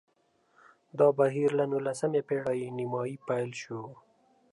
دا بهیر له نولسمې پېړۍ نیمايي پیل شو